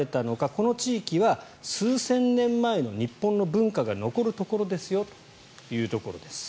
この地域は数千年前の日本の文化が残るところですよというところです。